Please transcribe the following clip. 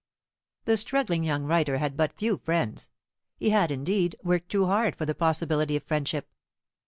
The struggling young writer had but few friends. He had, indeed, worked too hard for the possibility of friendship.